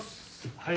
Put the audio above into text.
はい。